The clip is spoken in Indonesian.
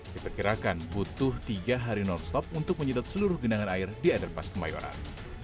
diperkirakan butuh tiga hari non stop untuk menyedot seluruh genangan air di underpass kemayoran